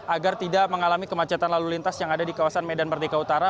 agar tidak mengalami kemacetan lalu lintas yang ada di kawasan medan merdeka utara